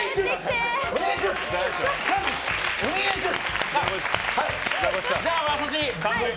お願いします。